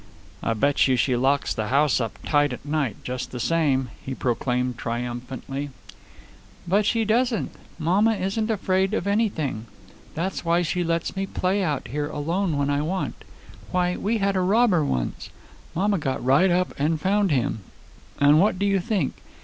"I bet you she locks the house up tight at night just the same," he proclaimed triumphantly. "But she doesn't. Mamma isn't afraid of anything. That's why she lets me play out here alone when I want. Why, we had a robber once. Mamma got right up and found him. And what do you think!